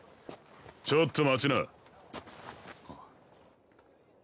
ちょっと待ちな。